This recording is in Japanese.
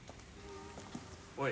おい。